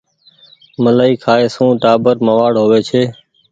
ملآئي کآئي سون ٽآٻر موآڙ هووي ڇي